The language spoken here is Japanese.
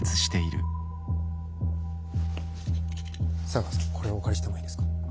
茶川さんこれをお借りしてもいいですか？